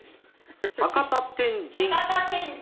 博多天神。